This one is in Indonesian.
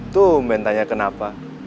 tuh main tanya kenapa